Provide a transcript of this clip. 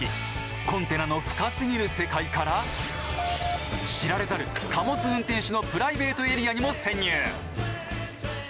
コンテナの深すぎる世界から知られざる貨物運転士のプライベートエリアにも潜入！